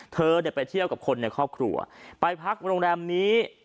เธอเนี่ยไปเที่ยวกับคนในครอบครัวไปพักโรงแรมนี้